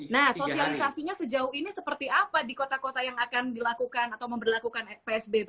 nah sosialisasinya sejauh ini seperti apa di kota kota yang akan dilakukan atau memperlakukan psbb